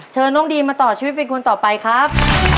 เชิญน้องดีมมาต่อชีวิตเป็นคนต่อไปครับ